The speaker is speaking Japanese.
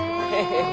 ハハハ。